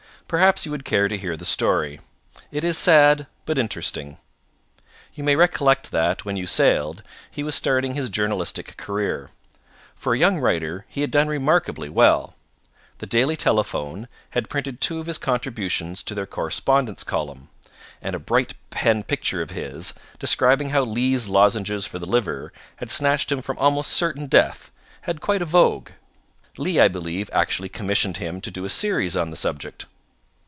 "Perhaps you would care to hear the story. It is sad, but interesting. You may recollect that, when you sailed, he was starting his journalistic career. For a young writer he had done remarkably well. The Daily Telephone had printed two of his contributions to their correspondence column, and a bright pen picture of his, describing how Lee's Lozenges for the Liver had snatched him from almost certain death, had quite a vogue. Lee, I believe, actually commissioned him to do a series on the subject."